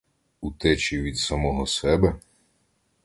Утечі від самого себе?